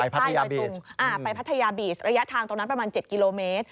ไปพัทยาบีชระยะทางตรงนั้นประมาณ๗กิโลเมตร